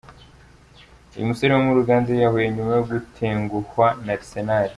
Uyu musore wo muri Uganda yiyahuye nyuma yo gutenguhwa na Arsenal.